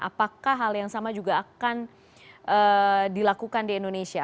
apakah hal yang sama juga akan dilakukan di indonesia